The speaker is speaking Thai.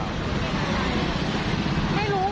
ุณลูกจะอยู่ทางด้วยเอง